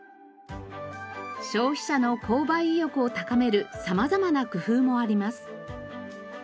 消費者の購買意欲を高める様々な工夫もあります。